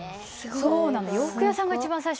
そうなの。